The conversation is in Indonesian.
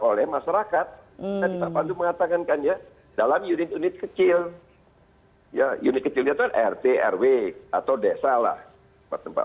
oleh masyarakat mengatakankan ya dalam unit unit kecil unit kecilnya rt rw atau desa lah tempat